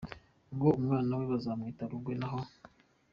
ngo umwana we bazamwite Rugwe, naho